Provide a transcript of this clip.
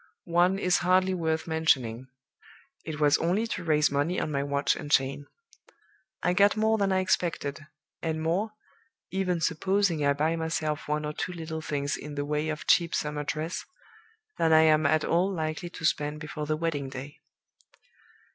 One is hardly worth mentioning it was only to raise money on my watch and chain. I got more than I expected; and more (even supposing I buy myself one or two little things in the way of cheap summer dress) than I am at all likely to spend before the wedding day.